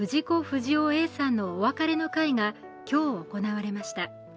不二雄Ａさんのお別れの会が今日、行われました。